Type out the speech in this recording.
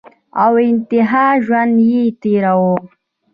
او تنها ژوند ئې تيرولو ۔